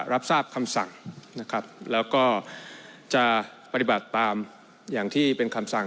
รับทราบคำสั่งนะครับแล้วก็จะปฏิบัติตามอย่างที่เป็นคำสั่ง